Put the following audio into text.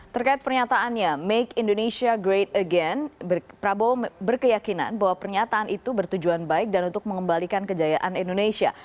terkait pernyataannya make indonesia great again prabowo berkeyakinan bahwa pernyataan itu bertujuan baik dan untuk mengembalikan kejayaan indonesia